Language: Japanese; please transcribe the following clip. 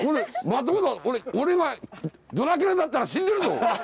俺がドラキュラだったら死んでるぞ！